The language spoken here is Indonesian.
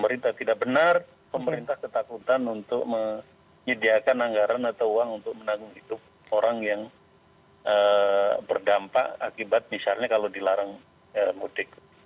pemerintah tidak benar pemerintah ketakutan untuk menyediakan anggaran atau uang untuk menanggung hidup orang yang berdampak akibat misalnya kalau dilarang mudik